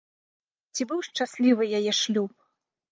Ці быў шчаслівы яе шлюб?